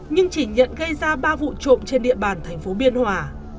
nhưng chỉ nhận gây ra ba vụ trộm trên địa bàn thành phố biên hòa